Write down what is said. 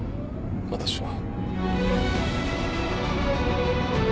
私は。